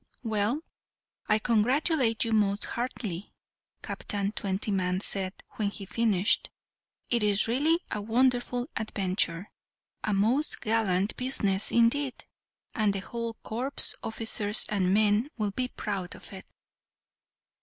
"Well, I congratulate you most heartily," Captain Twentyman said when he finished; "it is really a wonderful adventure a most gallant business indeed, and the whole corps, officers and men, will be proud of it."